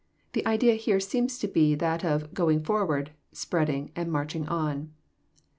The idea here seems to be that of going forward, spreading, and marching on."